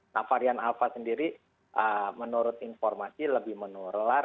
nah varian alpha sendiri menurut informasi lebih menular